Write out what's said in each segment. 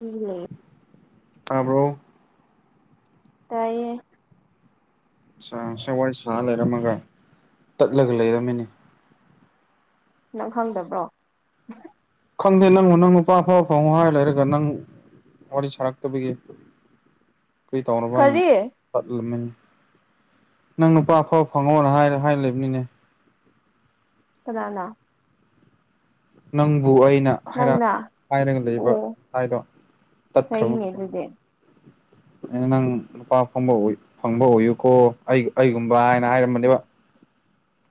ꯎꯝ ꯂꯩ ꯇꯥꯕ꯭ꯔꯣ ꯇꯥꯏꯌꯦ ꯉꯁꯥꯏ [unintelligible] ꯋꯥꯔꯤ ꯁꯥ ꯂꯩꯔꯝꯃꯒ ꯇꯠꯂꯒ ꯂꯩꯔꯝꯃꯦꯅꯦ ꯅꯪ ꯈꯪꯗꯕ꯭ꯔꯣ ꯈꯪꯗꯦ ꯅꯪꯉꯣ ꯅꯪ ꯅꯨꯄꯥ ꯑꯐꯥ ꯐꯥꯎꯉꯣ ꯍꯥꯏ ꯂꯩꯔꯒ ꯅꯪ ꯋꯥꯔꯤ ꯁꯥꯔꯛꯇꯕꯒꯤ ꯀꯔꯤ ꯇꯧꯔꯕ ꯍ ꯀꯔꯤ ꯇꯠꯂꯝꯃꯦ ꯅꯪ ꯅꯨꯄꯥ ꯑꯐꯥꯎ ꯐꯪꯉꯣꯅ ꯍꯥꯏ ꯍꯥꯏꯔ ꯂꯩꯕꯅꯤꯅꯦ ꯀꯅꯥꯅ ꯅꯪꯕꯨ ꯑꯩꯅ ꯍꯥꯏꯔ ꯅꯪꯅ ꯍꯥꯏꯔꯒ ꯂꯩꯕ ꯑꯣ ꯍꯥꯏꯗꯣ ꯇꯠꯈ꯭ꯔꯕ ꯐꯩꯅꯦ ꯑꯗꯨꯗꯤ [unintelligible] ꯅꯪ ꯅꯨꯄꯥ ꯐꯪꯕ ꯐꯪꯕ ꯑꯣꯏꯌꯨꯀꯣ ꯑꯩ ꯑꯩꯒꯨꯝꯕ ꯍꯥꯏꯅ ꯍꯥꯏꯔꯝꯕꯅꯦꯕ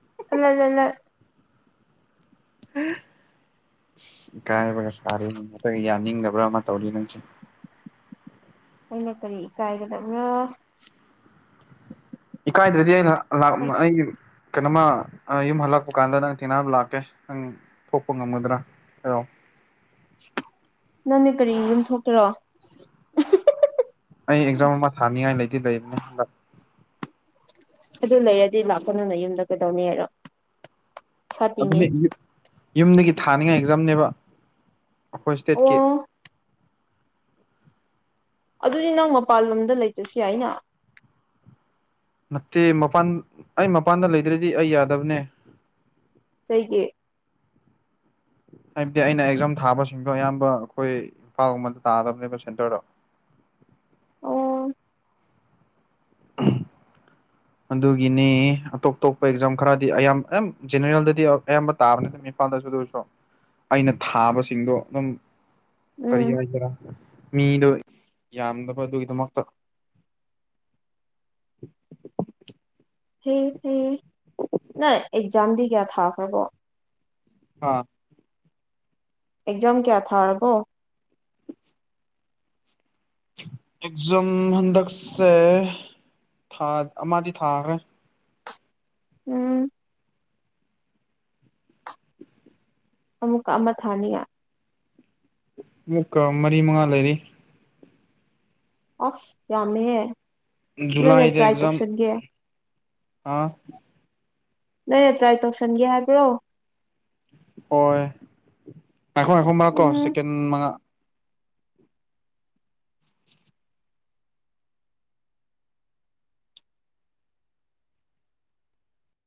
[unintelligible] ꯍ [unintelligible] ꯁꯤ ꯏꯀꯥꯏꯕꯒ ꯁꯥꯔꯤꯅꯤ ꯌꯥꯅꯤꯡꯗꯕ꯭ꯔꯥ ꯑꯃ ꯇꯧꯔꯤ ꯅꯪꯁꯦ ꯑꯩꯅ ꯀꯔꯤ ꯏꯀꯥꯏꯒꯗꯕ꯭ꯔꯣ ꯏꯀꯥꯏꯗ꯭ꯔꯗꯤ ꯑꯩꯅ [unintelligible] ꯑꯩ ꯀꯩꯅꯣꯃ ꯑ ꯌꯨꯝ ꯍꯜꯂꯛꯄ ꯀꯥꯟꯗ ꯅꯪ ꯊꯦꯡꯅꯕ ꯂꯥꯛꯀꯦ ꯅꯪ ꯊꯣꯛꯄ ꯉꯝꯒꯗ꯭ꯔꯥ ꯍꯥꯢꯔꯣ ꯅꯪꯗꯤ ꯀꯔꯤ ꯌꯨꯝ ꯊꯣꯀꯦꯔꯣ [unintelligible] ꯑꯩ ꯑꯦꯛꯖꯥꯝ ꯑꯃ ꯊꯥꯅꯤꯡꯉꯥꯏ ꯂꯩꯗꯤ ꯂꯩꯕꯅꯦ [unintelligible] ꯑꯗꯨ ꯂꯩꯔꯗꯤ ꯂꯥꯛꯄꯅꯨꯅꯦ ꯌꯨꯝꯗ ꯀꯩꯗꯧꯅꯤ ꯉꯥꯏꯔꯣ ꯑꯗꯨꯅꯤ ꯌꯨ ꯌꯨꯝꯗꯒꯤ ꯊꯥꯅꯤꯡꯉꯥꯏ ꯑꯦꯛꯖꯥꯝꯅꯦꯕ ꯑꯩꯈꯣꯏ ꯑꯣ ꯁ꯭ꯇꯦꯠꯀꯤ ꯑꯗꯨꯗꯤ ꯅꯪ ꯃꯄꯥꯜ ꯂꯣꯝꯗ ꯂꯩꯇ꯭ꯔꯁꯨ ꯌꯥꯏꯅ ꯅꯠꯇꯦ ꯃꯄꯥꯟ ꯑꯩ ꯃꯄꯥꯟꯗ ꯂꯩꯗ꯭ꯔꯗꯤ ꯑꯩ ꯌꯥꯗꯕꯅꯦ ꯀꯩꯒꯤ ꯍꯥꯏꯕꯗꯤ ꯑꯩꯅ ꯑꯦꯛꯖꯥꯝ ꯊꯥꯕꯁꯤꯡꯗꯣ ꯑꯌꯥꯝꯕ ꯑꯩꯈꯣꯏ ꯏꯝꯐꯥꯜꯒꯨꯝꯕꯗ ꯇꯥꯗꯕꯅꯦꯕ ꯁꯦꯟꯇꯔꯗꯣ ꯎꯝ ꯑꯍꯝ ꯑꯗꯨꯒꯤꯅꯦ ꯑꯇꯣꯞ ꯑꯇꯣꯞꯄ ꯑꯦꯛꯖꯥꯝ ꯈꯔꯗꯤ ꯑꯌꯥꯝ ꯑꯌꯥꯝ ꯖꯦꯅꯔꯦꯜꯗꯗꯤ ꯑꯌꯥꯝꯕ ꯇꯥꯕꯅꯦ [unintelligible] ꯀꯥꯟꯗꯁꯨ ꯑꯗꯨꯁꯨ ꯑꯩꯅ ꯊꯥꯕꯁꯤꯡꯗꯣ ꯑꯗꯨꯝ ꯀꯔꯤ ꯎꯝ ꯍꯥꯏꯒꯦꯔꯥ ꯃꯤꯗꯣ ꯌꯥꯝꯗꯕ ꯑꯗꯨꯒꯤꯗꯃꯛꯇ ꯍꯦ ꯍꯦ ꯅꯪ ꯑꯦꯛꯖꯥꯝꯗꯤ ꯀꯌꯥ ꯊꯥꯈ꯭ꯔꯕꯣ ꯍꯥ ꯑꯦꯛꯖꯥꯝ ꯀꯌꯥ ꯊꯥꯔꯕꯣ ꯑꯦꯛꯖꯝ ꯍꯟꯗꯛꯁꯦ ꯊꯥ ꯑꯃꯥꯗꯤ ꯊꯥꯈ꯭ꯔꯦ ꯎꯝ ꯑꯃꯨꯛꯀ ꯑꯃ ꯊꯥꯅꯤꯉꯥꯢ ꯃꯨꯛꯀꯥ ꯃꯔꯤ ꯃꯉꯥ ꯂꯩꯔꯤ ꯑꯐ ꯌꯥꯝꯃꯦꯍꯦ ꯂꯣꯏꯅ ꯇ꯭ꯔꯥꯏ ꯇꯧꯁꯟꯒꯦ ꯑꯥ ꯂꯣꯢꯅ ꯇ꯭ꯔꯥꯢ ꯇꯧꯁꯟꯒꯦ ꯍꯥꯏꯕ꯭ꯔꯣ ꯍꯣꯏ ꯉꯥꯢꯈꯣ ꯉꯥꯢꯈꯣ ꯉꯥꯛꯀꯣ ꯎꯝ ꯁꯦꯀꯦꯟ ꯃꯉꯥ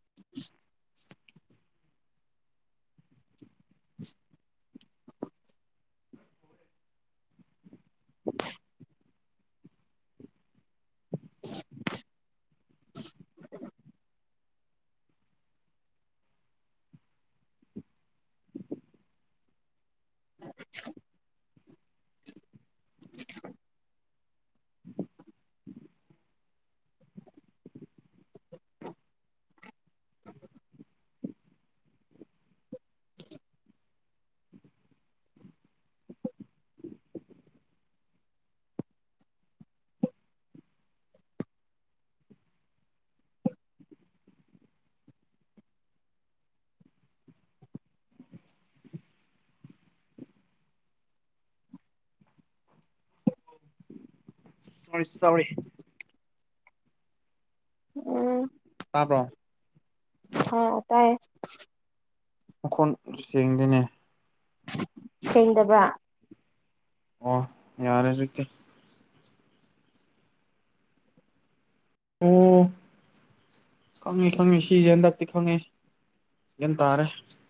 [inaudible] [inaudible] [inaudible] [inaudible] [inaudible] ꯁꯣꯔꯤ ꯁꯣꯔꯤ ꯎꯝ ꯇꯥꯕ꯭ꯔꯣ ꯍꯥꯥꯎ ꯇꯥꯢꯌꯦ ꯃꯈꯣꯟ ꯁꯦꯡꯗꯦꯅꯦ ꯁꯦꯡꯗꯕ꯭ꯔꯥ ꯑꯣ ꯌꯥꯔꯦꯗꯨꯗꯤ ꯑꯣ ꯈꯪꯉꯤ ꯈꯪꯉꯤ ꯁꯤꯁꯦ ꯍꯟꯗꯛꯇꯤ ꯈꯪꯉꯤ ꯒ꯭ꯌꯥꯟ ꯇꯥꯔꯦ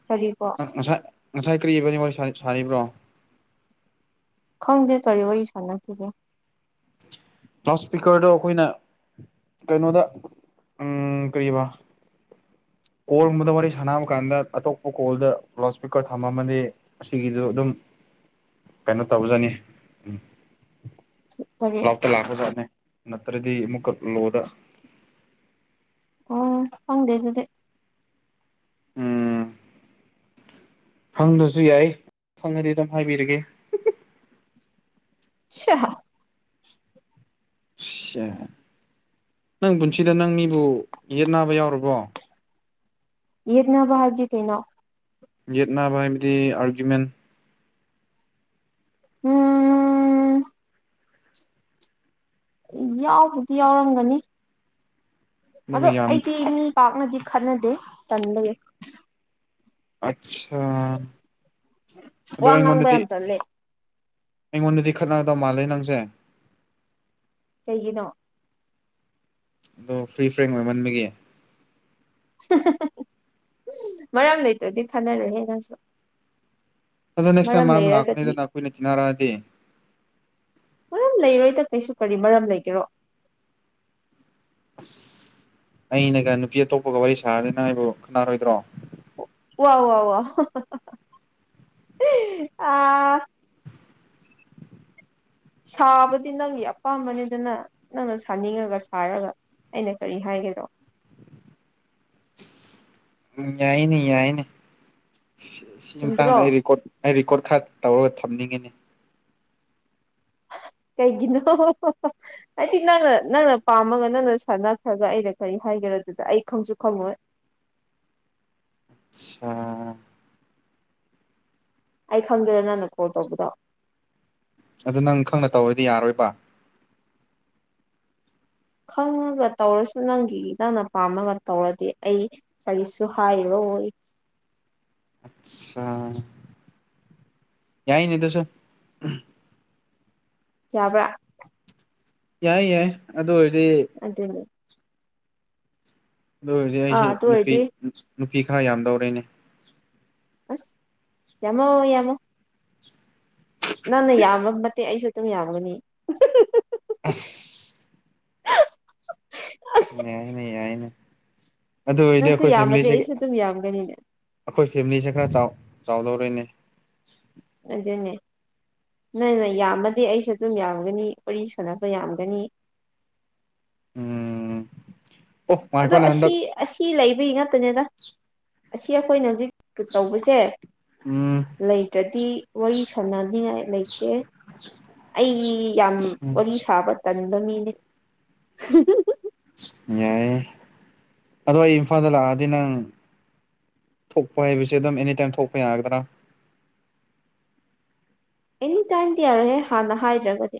ꯀꯔꯤꯀꯣ ꯉ ꯉꯁꯥꯏ ꯉꯁꯥꯏ ꯀ꯭ꯔꯤ ꯌꯦꯕ ꯢꯕꯥꯟꯅꯤ ꯋꯥꯔꯤ ꯁꯥꯢ ꯁꯥꯔꯤꯕ꯭ꯔꯣ ꯈꯪꯗꯦ ꯀꯔꯤ ꯋꯥꯔꯤ ꯁꯥꯟꯅꯈꯤꯕ꯭ꯔꯥ ꯂꯥꯎꯠ ꯁ꯭ꯄꯤꯀꯔꯗꯣ ꯑꯩꯈꯣꯏꯅ ꯀꯩꯅꯣꯗ ꯎꯝ ꯀꯔꯤꯕꯥ ꯀꯣꯜꯒꯨꯝꯕꯗ ꯋꯥꯔꯤ ꯁꯥꯟꯅꯕ ꯀꯥꯟꯗ ꯑꯇꯣꯞꯄ ꯀꯣꯜꯗ ꯂꯥꯎꯠ ꯁ꯭ꯄꯤꯀꯔ ꯊꯝꯃꯝꯃꯗꯤ ꯑꯁꯤꯒꯤꯁꯨ ꯑꯗꯨꯝ ꯀꯩꯅꯣ ꯇꯧꯖꯅꯤ ꯐꯔꯦ ꯖꯥꯠꯅꯦ ꯅꯠꯇ꯭ꯔꯗꯤ ꯑꯃꯨꯛꯀ ꯂꯣꯗ ꯑꯣ ꯈꯪꯗꯦ ꯑꯗꯨꯗꯤ ꯎꯝ ꯈꯪꯗꯁꯨ ꯌꯥꯏ ꯈꯪꯉꯗꯤ ꯑꯗꯨꯝ ꯍꯥꯏꯕꯤꯔꯒꯦ ꯍꯝ ꯍꯝ ꯁꯤꯌꯥ ꯁꯌꯦ ꯅꯪ ꯄꯨꯟꯁꯤꯗ ꯅꯪ ꯃꯤꯕꯨ ꯌꯦꯠ ꯅꯥꯕ ꯌꯥꯎꯔꯕꯣ ꯌꯦꯠꯅꯕ ꯍꯥꯢꯕꯗꯤ ꯀꯩꯅꯣ ꯌꯦꯠꯅꯥꯕ ꯍꯥꯏꯕꯗꯤ ꯑꯥꯔꯒ꯭ꯌꯨꯃꯦꯟ ꯎꯝ ꯌꯥꯎꯕꯨꯗꯤ ꯌꯥꯎꯔꯝꯒꯅꯤ ꯑꯗꯨꯝꯕ ꯑꯗꯣ ꯌꯥꯝ ꯑꯩꯗꯤ ꯃꯤ ꯄꯥꯛꯅꯗꯤ ꯈꯠꯅꯗꯦ ꯇꯟꯕꯩ ꯑꯆꯥꯥ ꯋꯥ ꯉꯥꯡꯕ ꯌꯥꯝ ꯇꯜꯂꯦ ꯑꯩꯉꯣꯟꯗꯗꯤ ꯈꯠꯅꯒꯗꯧ ꯃꯥꯜꯂꯦ ꯅꯪꯁꯦ ꯀꯩꯒꯤꯅꯣ ꯑꯗꯣ ꯐ꯭ꯔꯤ ꯐ꯭ꯔꯦꯡ ꯑꯣꯏꯃꯟꯕꯒꯤ ꯃꯔꯝ ꯂꯩꯇꯗꯤ ꯈꯟꯅꯔꯣꯏꯍꯦ ꯅꯪꯁꯨ ꯃꯔꯝ ꯂꯩꯔꯒꯗꯤ [unintelligible] ꯃꯔꯝ ꯂꯩꯔꯣꯏꯗ ꯀꯩꯁꯨ ꯀꯔꯤ ꯃꯔꯝ ꯂꯩꯒꯦꯔꯣ ꯑꯁ ꯑꯩꯅꯒ ꯅꯨꯄꯤ ꯑꯇꯣꯞꯄꯒ ꯋꯥꯔꯤ ꯁꯥꯔꯗꯤ ꯅꯪꯕꯨ ꯈꯠꯅꯔꯣꯏꯗꯔꯣ ꯋꯥꯎ ꯋꯥ ꯋꯥ ꯑꯥ ꯁꯥꯕꯗꯤ ꯅꯪꯒꯤ ꯑꯄꯥꯝꯕꯅꯤꯗꯅ ꯅꯪꯅ ꯁꯥꯅꯤꯡꯉꯒ ꯁꯥꯔꯒ ꯑꯩꯅ ꯀꯔꯤ ꯍꯥꯏꯒꯦꯗꯣ ꯌꯥꯏꯅꯦ ꯌꯥꯏꯅꯦ ꯁꯤ ꯃꯇꯥꯡꯗ ꯆꯨꯝꯗ꯭ꯔꯣ ꯑꯩꯀꯣꯔꯠ ꯑꯩ ꯔꯦꯀꯣꯔꯠ ꯈꯔ ꯇꯧꯔꯒ ꯊꯝꯅꯤꯡꯉꯤ [inaudible] ꯀꯩꯒꯤꯅꯣ ꯍꯥꯏꯗꯤ ꯅꯪꯅ ꯅꯪꯅ ꯄꯥꯝꯃꯒ ꯅꯪꯅ ꯁꯥꯟꯅꯈ꯭ꯔꯒ ꯑꯩꯅ ꯀꯔꯤ ꯍꯥꯏꯒ ꯑꯗꯨꯗ ꯑꯩ ꯈꯪꯁꯨ ꯈꯪꯉꯣꯏ ꯑꯆꯥ ꯑꯩ ꯈꯪꯗꯦꯔꯥ ꯅꯪꯅ ꯀꯣꯜ ꯇꯧꯕꯗꯣ ꯑꯗꯨ ꯅꯪ ꯈꯪꯅ ꯇꯧꯔꯗꯤ ꯌꯥꯔꯣꯏꯕ ꯈꯪꯉꯒ ꯇꯧꯔꯁꯨ ꯅꯪꯒꯤ ꯅꯪꯅ ꯄꯥꯝꯃꯒ ꯇꯧꯔꯗꯤ ꯑꯩ ꯀꯔꯤꯁꯨ ꯍꯥꯏꯔꯣ ꯍꯣꯏ [inaudible] ꯑꯆꯥꯥ ꯌꯥꯏꯅꯤ ꯗꯨꯁꯨ ꯌꯥꯕ꯭ꯔꯥ ꯌꯥꯏ ꯌꯥꯏ ꯑꯗꯣ ꯑꯣꯏ ꯑꯗꯨꯅꯤ ꯑꯗꯨ ꯑꯣꯏꯔꯗꯤ ꯑꯥ ꯑꯩꯁꯦ ꯑꯗꯨ ꯅꯨꯄꯤ ꯑꯣꯏꯔꯗꯤ ꯅꯨꯄꯤ ꯈꯔ ꯌꯥꯝꯗꯧꯔꯦꯅꯦ ꯑꯁ ꯌꯥꯃꯣ ꯌꯥꯃꯣ ꯅꯪꯅ ꯌꯥꯝꯕ ꯃꯇꯤꯛ ꯑꯩꯁꯨ ꯑꯗꯨꯝ ꯌꯥꯝꯒꯅꯤ ꯍꯨꯍꯨꯍꯨꯝ [unintelligible] ꯌꯥꯏꯅꯦ ꯌꯥꯏꯅꯦ ꯑꯗꯨ ꯑꯣꯏꯔꯗꯤ ꯅꯪꯁꯨ ꯑꯩꯈꯣꯏ ꯌꯥꯝꯃꯗꯤ ꯐꯦꯃꯤꯂꯤꯁꯦ ꯑꯩꯁꯨ ꯑꯗꯨꯝ ꯌꯥꯝꯒꯅꯤꯅꯦ ꯑꯩꯈꯣꯏ ꯐꯦꯃꯤꯂꯤꯁꯦ ꯈꯔ ꯆꯥꯎ ꯆꯥꯎꯗꯧꯔꯦꯅꯦ ꯑꯗꯨꯅꯦ ꯅꯪꯅ ꯌꯥꯝꯃꯗꯤ ꯑꯩꯁꯨ ꯑꯗꯨꯝ ꯌꯥꯝꯒꯅꯤ ꯋꯥꯔꯤ ꯁꯥꯟꯅꯕ ꯌꯥꯝꯒꯅꯤ ꯎꯝ ꯑꯣ ꯑꯗꯣ ꯉꯥꯏꯈꯣꯅꯦ ꯑꯁꯤ ꯍꯟꯗꯛ ꯑꯁꯤ ꯂꯩꯕꯒꯤ ꯉꯠꯇꯅꯤꯗ ꯑꯁꯤ ꯑꯩꯈꯣꯏꯅ ꯍꯧꯖꯤꯛ ꯇꯧꯕꯁꯦ ꯎꯝ ꯂꯩꯇ꯭ꯔꯗꯤ ꯋꯥꯔꯤ ꯁꯥꯟꯅꯅꯤꯉꯥꯏ ꯂꯩꯇꯦ ꯑꯩ ꯌꯥꯝ ꯋꯥꯔꯤ ꯁꯥꯕ ꯇꯟꯕ ꯃꯤꯅꯦ ꯌꯥꯏ ꯑꯗꯣ ꯑꯩ ꯏꯝꯐꯥꯜꯗ ꯂꯥꯛꯑꯗꯤ ꯅꯪ ꯊꯣꯛꯄ ꯍꯥꯏꯕꯁꯤ ꯑꯗꯨꯝ ꯑꯦꯅꯤꯇꯥꯏꯝ ꯊꯣꯛꯄ ꯌꯥꯒꯗ꯭ꯔꯥ ꯑꯦꯅꯤꯇꯥꯏꯝꯗꯤ ꯌꯥꯔꯣꯏꯍꯦ ꯍꯥꯟꯅ ꯍꯥꯏꯗ꯭ꯔꯒꯗꯤ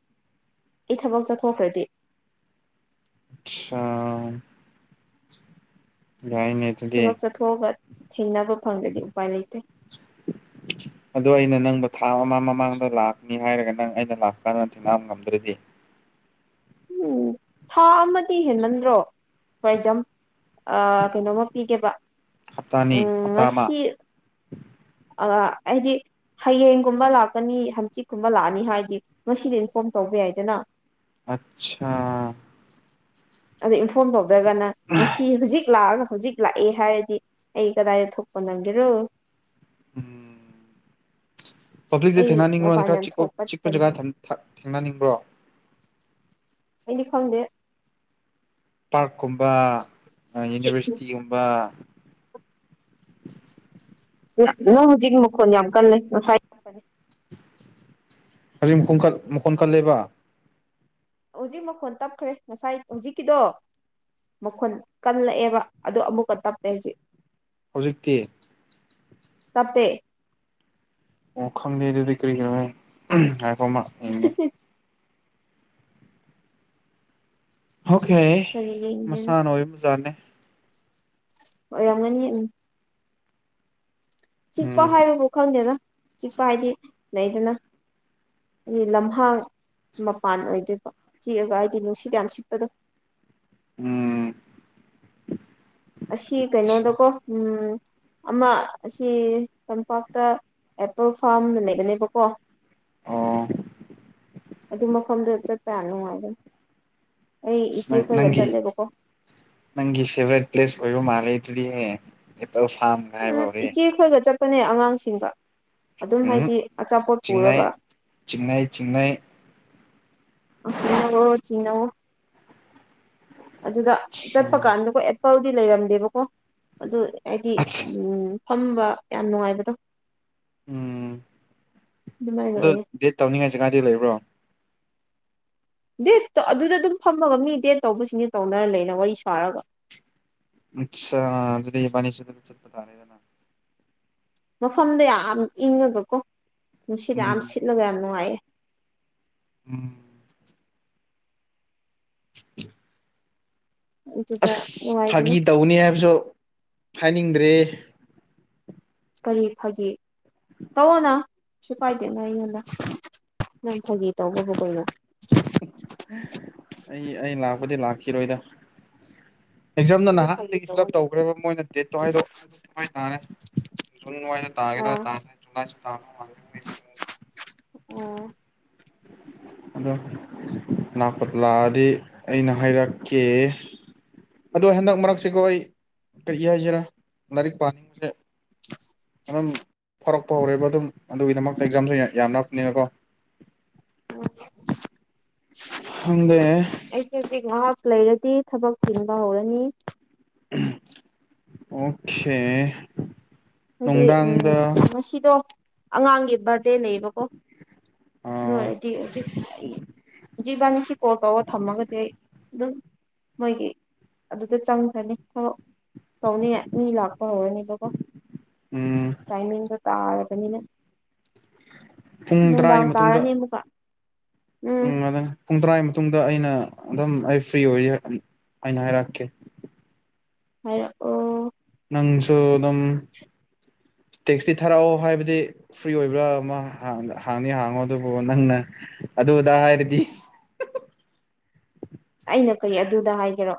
ꯑꯩ ꯊꯕꯛ ꯆꯠꯊꯣꯛꯈ꯭ꯔꯗꯤ ꯑꯆꯥꯥ ꯌꯥꯥꯏꯅꯦ ꯑꯗꯨꯗꯤ ꯊꯕꯛ ꯆꯠꯊꯣꯛꯑꯒ ꯊꯦꯡꯅꯕ ꯐꯪꯗ꯭ꯔꯗꯤ ꯎꯄꯥꯏ ꯂꯩꯇꯦ ꯑꯗꯣ ꯑꯩꯅ ꯅꯪꯕꯨ ꯊꯥ ꯑꯃ ꯃꯃꯥꯡꯗ ꯂꯥꯛꯅꯤ ꯍꯥꯏꯔꯒ ꯅꯪ ꯑꯩꯅ ꯂꯥꯛꯄ ꯀꯥꯟꯗ ꯊꯦꯡꯅ ꯉꯝꯗ꯭ꯔꯗꯤ ꯎꯝ ꯊꯥ ꯑꯃꯗꯤ ꯍꯦꯟꯃꯟꯗ꯭ꯔꯣ ꯋꯥꯏꯖꯝ ꯑ ꯀꯩꯅꯣꯝꯃ ꯄꯤꯒꯦꯕ ꯍꯞꯇꯥꯅꯤ ꯎꯝ ꯍꯞꯇꯥ ꯑꯃ ꯉꯁꯤ ꯑ ꯑꯩꯗꯤ ꯍꯌꯦꯡꯒꯨꯝꯕ ꯂꯥꯛꯀꯅꯤ ꯍꯪꯆꯤꯠꯀꯨꯝꯕ ꯂꯥꯛꯑꯅꯤ ꯍꯥꯏꯗꯤ ꯉꯁꯤꯗꯤ ꯏꯟꯐꯣꯔꯝ ꯇꯧꯕ ꯌꯥꯢ ꯌꯥꯢꯗꯅ ꯑꯠꯆꯥꯥ ꯑꯗꯣ ꯏꯟꯐꯣꯔꯝ ꯇꯧꯗꯔꯒꯅ ꯉꯁꯤ ꯍꯧꯖꯤꯛ ꯂꯥꯛꯑꯒ ꯍꯧꯖꯤꯛ ꯂꯥꯛꯑꯦ ꯍꯥꯏꯔꯗꯤ ꯑꯩ ꯀꯗꯥꯏꯗ ꯊꯣꯛꯄ ꯅꯪꯒꯦꯔꯣ ꯎꯝ ꯄꯥꯕ꯭ꯂꯤꯛꯇ ꯑꯩ ꯊꯦꯡꯅꯅꯤꯡꯕ꯭ꯔꯣ ꯅꯠꯇ꯭ꯔꯥ ꯃꯄꯥꯟ ꯈꯔ ꯌꯥꯝ ꯆꯤꯛꯄ ꯊꯣꯛꯄ ꯆꯤꯛꯄ ꯖꯒꯗꯥ ꯇꯟꯂꯦ ꯊꯥ ꯊꯦꯡ ꯊꯦꯡꯅꯅꯤꯡꯕ꯭ꯔꯣ ꯑꯩꯗꯤ ꯈꯪꯗꯦ ꯄ꯭ꯥꯔꯛꯀꯨꯝꯕ ꯑ ꯌꯨꯅꯤꯚꯔꯁꯤꯇꯤꯒꯨꯝꯕ [inaudible] ꯅꯪ ꯅꯪ ꯍꯧꯖꯤꯛ ꯃꯈꯣꯟꯜ ꯌꯥꯝ ꯀꯜꯂꯦ ꯉꯁꯥꯏ ꯇꯞꯄꯅꯦ ꯍꯧꯖꯤꯛ ꯃꯈꯣꯡ ꯀꯛ ꯃꯈꯣꯟ ꯀꯜꯂꯦꯕ ꯍꯧꯖꯤꯛ ꯃꯈꯣꯟ ꯇꯞꯈ꯭ꯔꯦ ꯉꯁꯥꯏ ꯍꯧꯖꯤꯛꯀꯤꯗꯣ ꯃꯈꯣꯟ ꯀꯜꯂꯛꯑꯦꯕ ꯑꯗꯣ ꯑꯃꯨꯛꯀ ꯇꯞꯄꯦ ꯍꯧꯖꯤꯛ ꯍꯧꯖꯤꯛꯇꯤ ꯇꯞꯄꯦ ꯑꯣ ꯈꯪꯗꯦ ꯑꯗꯨꯗꯤ ꯀꯔꯤꯒꯤꯔ ꯍꯝ ꯉꯥꯢꯈꯣ ꯑꯃꯔꯛ ꯌꯦꯡꯒꯦ ꯑꯣꯀꯦ ꯀꯔꯤ ꯌꯦꯡꯒꯦꯅ ꯃꯁꯥꯅ ꯑꯣꯏꯕ ꯖꯥꯠꯅꯦ ꯑꯣꯏꯔꯝꯒꯅꯤ ꯎꯝ ꯆꯤꯛꯄ ꯎꯝ ꯍꯥꯏꯕꯕꯨ ꯈꯪꯗꯦꯗ ꯆꯤꯛꯄ ꯍꯥꯏꯗꯤ ꯂꯩꯌꯦꯗꯅ [inaudible] ꯏ ꯂꯝꯍꯥꯡ ꯃꯄꯥꯟ ꯑꯣꯏꯗꯣꯏꯕ ꯊꯤꯑꯒ ꯍꯥꯏꯗꯤ ꯅꯨꯡꯁꯤꯠ ꯌꯥꯝ ꯁꯤꯠꯄꯗꯣ ꯎꯝ ꯑꯁꯤ ꯀꯩꯅꯣꯗꯀꯣ ꯎꯝ ꯑꯃ ꯑꯁꯤ ꯇꯝꯄꯥꯛꯇ ꯑꯦꯄꯜ ꯐꯥꯔꯝ ꯑꯃ ꯂꯩꯕꯅꯦꯕꯀꯣ ꯑꯣ ꯑꯗꯨ ꯃꯐꯝꯗꯨꯗ ꯆꯠꯄ ꯌꯥꯝ ꯅꯨꯡꯉꯥꯏꯕꯅꯦ ꯑꯩ ꯑꯁ ꯅꯪ ꯏꯆꯦꯈꯣꯏꯒ ꯅꯪꯒꯤ ꯆꯠꯂꯦꯕꯀꯣ ꯅꯪꯒꯤ ꯐꯦꯚꯔꯥꯢꯠ ꯄ꯭ꯂꯦꯁ ꯑꯣꯢꯕ ꯃꯥꯜꯦ ꯑꯗꯨꯗꯤ ꯑꯦꯄꯜ ꯐꯥ꯭ꯔꯝꯒ ꯍꯥꯢꯕ ꯍꯧꯔꯦ ꯄꯅꯦ ꯑꯉꯥꯡꯁꯤꯡꯒ ꯑꯗꯨꯝ ꯎꯝ ꯍꯥꯏꯗꯤ ꯑꯆꯥꯄꯣꯠ ꯆꯤꯡꯅꯩ ꯄꯨꯔꯒ ꯆꯤꯡꯅꯩ ꯆꯤꯡꯅꯩ ꯑꯣ ꯆꯤꯡꯅꯧꯋꯣ ꯆꯤꯡꯅꯧꯋꯣ ꯑꯗꯨꯗ ꯆꯠꯄ ꯀꯥꯟꯗꯀꯣ ꯑꯦꯄꯜꯗꯤ ꯂꯩꯔꯝꯗꯦꯕꯀꯣ ꯑꯗꯨ ꯍꯥꯏꯗꯤ ꯑꯠꯆꯥ ꯎꯝ ꯐꯝꯕ ꯌꯥꯝ ꯅꯨꯡꯉꯥꯏꯕꯗꯣ ꯎꯝ ꯑꯗꯨꯃꯥꯏꯅ ꯑꯗꯨ ꯑꯣꯏꯌꯦ ꯗꯦꯠ ꯇꯧꯅꯤꯡꯉꯥꯏ ꯖꯒꯥꯗꯤ ꯂꯩꯕ꯭ꯔꯣ ꯗꯦꯠ ꯑꯗꯨꯗ ꯑꯗꯨꯝ ꯐꯝꯃꯒ ꯃꯤ ꯗꯦꯠ ꯇꯧꯕꯁꯤꯡꯗꯤ ꯇꯧꯅꯔ ꯂꯩꯅ ꯋꯥꯔꯤ ꯁꯥꯔꯒ ꯑꯠꯆꯥ ꯑꯗꯨꯗꯤ ꯢꯕꯥꯅꯤꯁꯨ ꯑꯗꯨꯗ ꯆꯠꯄ ꯇꯔꯦꯗꯅ ꯃꯐꯝꯗꯣ ꯌꯥꯝ ꯏꯪꯉꯒꯀꯣ ꯅꯨꯡꯁꯤꯠ ꯌꯥꯝ ꯎꯝ ꯁꯤꯠꯂꯒ ꯌꯥꯝ ꯅꯨꯡꯉꯥꯏꯌꯦ ꯎꯝ [inaudible] ꯑꯗꯨꯗ ꯑꯁ ꯅꯨꯡꯉꯥꯏꯕꯅꯦ ꯐꯥꯒꯤ ꯇꯧꯒꯅꯤ ꯍꯥꯏꯕꯁꯨ ꯍꯥꯏꯅꯤꯡꯗ꯭ꯔꯦ ꯀꯔꯤ ꯐꯥꯒꯤ ꯇꯧꯑꯣꯅ ꯁꯨꯨ ꯀꯥꯏꯗꯦꯅ ꯑꯩꯉꯣꯟꯗ ꯅꯪ ꯐꯒꯤ ꯇꯧꯕꯕꯨ ꯀꯩꯅꯣ ꯑꯩ ꯑꯩ ꯂꯥꯛꯄꯗꯤ ꯂꯥꯛꯈꯤꯔꯣꯏꯗ ꯑꯦꯛꯖꯥꯝꯅ ꯑꯗꯨ ꯐꯥꯒꯤ ꯅꯍꯥꯟꯗꯒꯤ ꯐꯤꯜ ꯑꯞ ꯇꯧꯑꯣꯅ ꯇꯧꯈ꯭ꯔꯕ ꯃꯣꯏꯅ ꯗꯦꯠꯇꯣ ꯍꯥꯢꯗꯣꯛ ꯍꯥꯏꯗꯣꯛꯄ ꯍꯥꯏ ꯇꯥꯔꯦ ꯖꯨꯟ ꯋꯥꯢꯗ ꯇꯥꯒꯦꯔ ꯑꯥ ꯇꯥꯔꯣꯢꯔ ꯖꯨꯜꯂꯥꯢꯁꯨ ꯇꯥꯗꯧ ꯃꯥꯟꯗꯦ ꯃꯣꯢ ꯃꯋꯣꯡꯗꯣ ꯑꯣ [inaudible] ꯑꯗꯣ ꯂꯥꯛꯄꯨ ꯂꯥꯛꯑꯗꯤ ꯑꯩꯅ ꯍꯥꯏꯔꯛꯀꯦ ꯑꯗꯣ ꯍꯟꯗꯛ ꯃꯔꯛꯁꯤꯀꯣ ꯑꯩ ꯀꯔꯤ ꯍꯥꯏꯁꯤꯔꯥ ꯂꯥꯏꯔꯤꯛ ꯄꯥꯅꯤꯡꯕꯁꯦ ꯑꯗꯨꯝ ꯐꯥꯔꯛ ꯇꯧꯔꯦꯕ ꯑꯗꯨꯝ ꯑꯗꯨꯒꯤꯗꯃꯛꯇ ꯑꯦꯛꯖꯥꯝꯁꯨ ꯌꯥꯝꯅꯛꯄꯅꯤꯅꯀꯣ ꯈꯪꯗꯦ ꯑꯩꯗꯗꯤ ꯉꯍꯥꯛ ꯂꯩꯔꯗꯤ ꯊꯕꯛ ꯊꯤꯟꯕ ꯍꯧꯔꯅꯤ ꯑꯣꯀꯦ ꯍꯥꯏꯗꯤ ꯎꯝ ꯅꯨꯡꯗꯥꯡꯗ ꯉꯁꯤꯗꯣ ꯑꯉꯥꯡꯒꯤ ꯕꯥꯔ ꯂꯩꯕꯀꯣ ꯎꯝ ꯂꯣꯏꯔꯗꯤ ꯍꯧꯖꯤꯛ ꯖꯤꯕꯥꯅꯤꯁꯤ ꯀꯣꯜ ꯇꯧꯑꯣ ꯊꯝꯃꯒꯗꯤ ꯑꯩ ꯑꯗꯨꯝ ꯃꯣꯏꯒꯤ ꯑꯗꯨꯗ ꯆꯪꯈ꯭ꯔꯅꯤ ꯊꯕꯛ ꯇꯧꯅꯤꯉꯥꯏ ꯃꯤ ꯂꯥꯛꯄ ꯍꯧꯔꯅꯤꯕꯀꯣ ꯇꯥꯏꯃꯤꯡ ꯗꯣ ꯇꯥꯔꯕꯅꯤꯅ ꯄꯨꯡ ꯇꯔꯥꯒꯤ ꯅꯨꯡꯗꯥꯡ ꯃꯇꯨꯡꯗ ꯇꯥꯔꯅꯤ ꯑꯃꯨꯛꯀ ꯎꯝ ꯑꯗꯨꯅ ꯄꯨꯡ ꯇꯔꯥꯒꯤ ꯃꯇꯨꯡꯗ ꯑꯩꯅ ꯑꯗꯨꯝ ꯑꯩ ꯐ꯭ꯔꯤ ꯑꯣꯏꯌꯦ ꯑꯩꯅ ꯍꯥꯏꯔꯛꯀꯦ ꯍꯥꯔꯛ ꯑꯣ ꯑꯪꯁꯨ ꯗꯨꯝ ꯇꯦꯛꯁꯇꯤ ꯊꯥꯔꯛꯑꯣ ꯍꯥꯏꯕꯗꯤ ꯐ꯭ꯔꯤ ꯑꯣꯏꯕ꯭ꯔꯥ ꯃꯥ ꯍꯥꯡꯅꯤ ꯍꯥꯡꯉꯣ ꯑꯗꯨꯕꯨ ꯅꯪꯅ ꯑꯗꯨ ꯑꯗꯥ ꯍꯥꯏꯔꯗꯤ ꯑꯩꯅ ꯀꯩ ꯑꯗꯨ ꯑꯗ ꯍꯥꯏꯒꯦꯔꯣ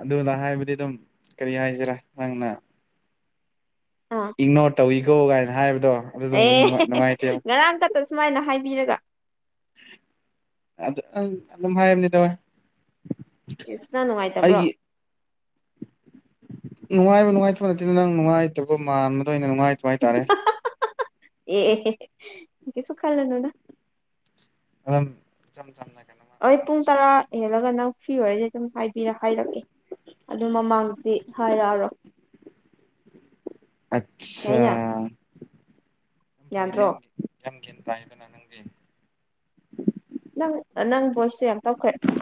ꯑꯗꯨ ꯑꯥꯗ ꯍꯥꯏꯕꯗꯤ ꯗꯨꯝ ꯀꯔꯤ ꯍꯥꯏꯁꯤꯔꯥ ꯅꯪꯅ ꯑꯥ ꯏꯛꯅꯣꯔ ꯇꯧꯏꯀꯣ ꯀꯥꯏꯅ ꯍꯥꯏꯕ ꯑꯦ ꯍꯦꯍꯦ ꯉꯔꯥꯡ ꯈꯛꯇ ꯁꯨꯃꯥꯏꯅ ꯍꯥꯏꯕꯤꯔꯒ ꯑꯗꯨ ꯑꯗꯨꯝ ꯍꯥꯏꯔꯕꯅꯤ ꯇꯧꯋꯦ ꯏꯁ ꯅꯪ ꯅꯨꯡꯉꯥꯏꯇꯕ꯭ꯔꯣ ꯅꯨꯡꯉꯥꯏꯕ ꯅꯨꯡꯉꯥꯏꯇꯕ ꯅꯠꯇꯦ ꯅꯪ ꯅꯨꯡꯉꯥꯏꯇꯕ ꯃꯥꯟꯕꯗꯣ ꯑꯩꯅ ꯅꯨꯡꯉꯥꯏꯇꯕ ꯍꯥꯏꯇꯥꯔꯦ [unintelligible] ꯑꯦ ꯑꯦ ꯀꯩꯁꯨ ꯈꯜꯂꯨꯅꯨꯗ ꯑꯗꯨꯝ ꯏꯆꯝ ꯆꯝꯅ ꯀꯩꯅꯣꯃ ꯍꯣꯏ ꯄꯨꯡ ꯇꯔꯥ ꯍꯦꯜꯂꯒ ꯅꯪ ꯐ꯭꯭ꯔꯤ ꯑꯣꯏꯔꯗꯤ ꯑꯗꯨꯝ ꯍꯥꯏꯕꯤꯔ ꯍꯥꯏꯔꯛꯀꯦ ꯑꯗꯨ ꯃꯃꯥꯡꯗꯗꯤ ꯍꯥꯏꯔꯛꯑꯔꯣꯏ [inaudible] ꯑꯠꯁꯥ ꯌꯥꯏꯅ ꯌꯥꯝꯐꯩꯌꯦꯅ ꯌꯥꯗ꯭ꯔꯣ ꯌꯥꯝ ꯒ꯭ꯌꯥꯟ ꯇꯥꯏꯌꯦꯗꯅ ꯅꯪꯗꯤ ꯅꯪ ꯅꯪ ꯚꯣꯏꯁꯇꯨ ꯌꯥꯝ ꯇꯞꯈ꯭ꯔꯦ